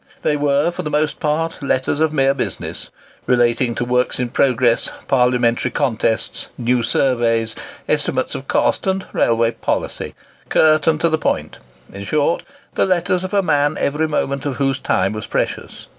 They were, for the most part, letters of mere business, relating to works in progress, parliamentary contests, new surveys, estimates of cost, and railway policy,—curt, and to the point; in short, the letters of a man every moment of whose time was precious.